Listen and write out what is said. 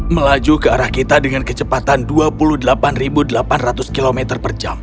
melaju ke arah kita dengan kecepatan dua puluh delapan delapan ratus km per jam